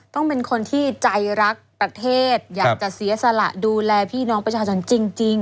ต้องเป็นคนที่ใจรักประเทศอยากจะเสียสละดูแลพี่น้องประชาชนจริง